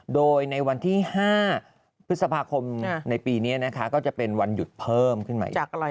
โดยในวันที่๕พฤษภาคมในปีนี้นะคะก็จะเป็นวันหยุดเพิ่มขึ้นมาอีก